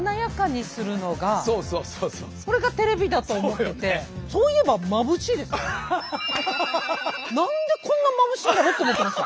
テレビって何でこんなまぶしいんだろうって思ってました。